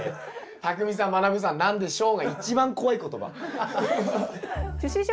「たくみさんまなぶさん何でしょう？」が一番怖い言葉。